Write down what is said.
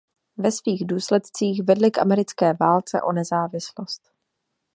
Ve svých důsledcích vedly k americké válce o nezávislost.